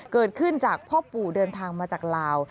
เกิดขึ้นจากพ่อปู่เดินทางมาจากลาว